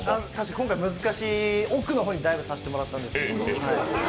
今回難しい、奥の方にダイブさせてもらったんですけど。